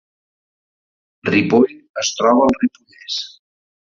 Ripoll es troba al Ripollès